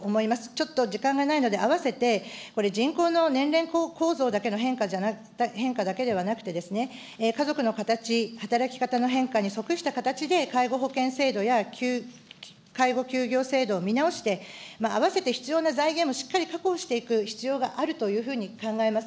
ちょっと時間がないので、あわせて、これ、人口の年齢構造だけの変化だけではなくてですね、家族の形、働き方の変化にそくした形で、介護保険制度や介護休業制度を見直して、あわせて必要な財源もしっかり確保していく必要があるというふうに考えます。